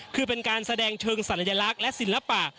คือเป็นการแสดงเชิงสัญลักษณ์และศิลปะ